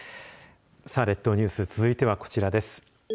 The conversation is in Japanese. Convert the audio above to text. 列島ニュース続いてはこちらです。